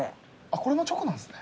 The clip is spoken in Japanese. これもチョコなんですね。